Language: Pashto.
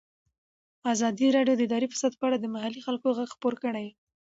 ازادي راډیو د اداري فساد په اړه د محلي خلکو غږ خپور کړی.